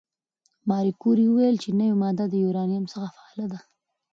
ماري کوري وویل چې نوې ماده د یورانیم څخه فعاله ده.